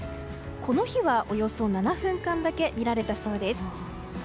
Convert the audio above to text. この日はおよそ７分間だけ見られたそうです。